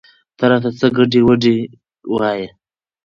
ته راته څه ګډې وګډې وايې؟